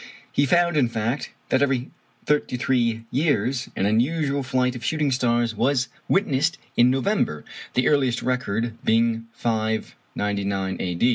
He found, in fact, that every thirty three years an unusual flight of shooting stars was witnessed in November, the earliest record being 599 A.